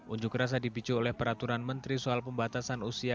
unjuk rasa dipicu oleh peraturan menteri soal pembatasan usia